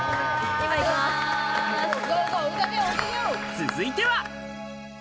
続いては。